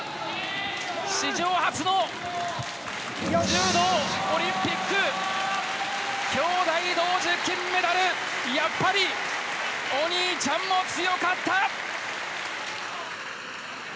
史上初の柔道オリンピック、兄妹同時金メダル、やっぱりお兄ちゃんも強かった！